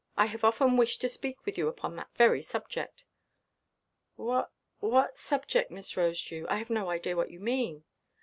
I have often wished to speak with you upon that very subject." "What—what subject, Miss Rosedew? I have no idea what you mean."